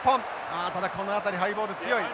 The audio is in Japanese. あただこの辺りハイボール強い。